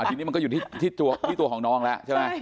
ทีนี้มันก็อยู่ที่ตัวของน้องแล้วใช่ไหม